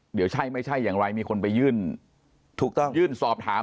เดี๋ยวใช่ไม่ใช่อย่างไรมีคนไปยื่นสอบถาม